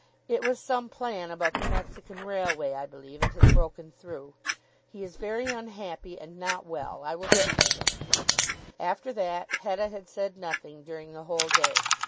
"It was some plan about the Mexican railway I believe, and has broken through. He is very unhappy and not well. I will see to him." After that Hetta had said nothing during the whole day.